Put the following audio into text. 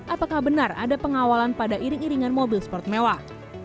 apakah benar ada pengawalan pada iring iringan mobil sport mewah